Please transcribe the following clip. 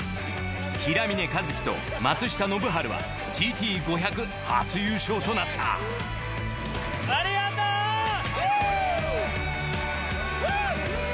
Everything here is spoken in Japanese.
平峰一貴と松下信治はＧＴ５００初優勝となったありがとう！